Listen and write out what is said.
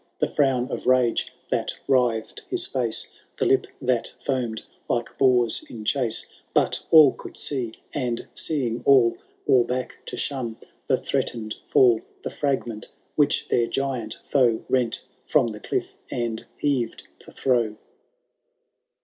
The frown of lage that writhed his face, — The lip that foamed like boards in chase ;~ But all could aee ^Aad, seeing, all Bore back to shun the threatened &11 — The fragment which their giant foe Bent from the cliff and heaved to throw.